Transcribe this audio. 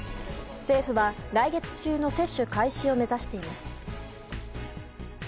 政府は来月中の接種開始を目指しています。